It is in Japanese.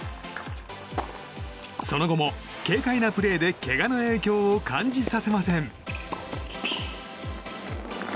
その後も軽快なプレーでけがの影響を感じさせません。